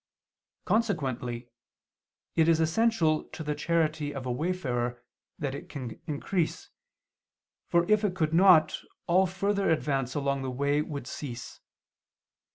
Consequently it is essential to the charity of a wayfarer that it can increase, for if it could not, all further advance along the way would cease.